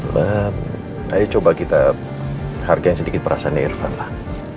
ma ayo coba kita hargai sedikit perasaan irfan lah